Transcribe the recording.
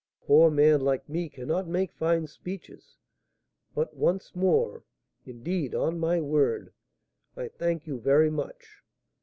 A poor man like me cannot make fine speeches, but once more, indeed, on my word, I thank you very much.